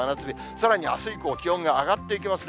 さらにあす以降、気温が上がっていきますね。